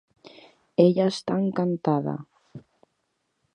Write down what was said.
Ella està encantada.